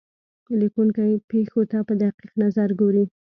لیکونکی پېښو ته په دقیق نظر ګوري.